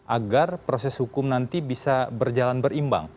agar proses hukum nanti bisa berjalan berimbang